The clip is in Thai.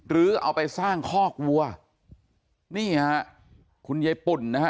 เอาไปสร้างคอกวัวนี่ฮะคุณยายปุ่นนะฮะ